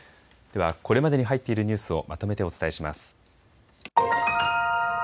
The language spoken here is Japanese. ではこれまでに入っているニュースをまとめてお伝えします。